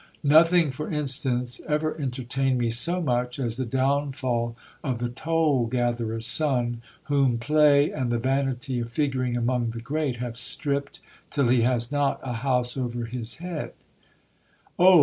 Nothing, for instance, ever entertained me so much as the downfall of the toll gatherer's son, whom play, and the vanity of figuring among the great, have stripped, till he has not a house over his head Oh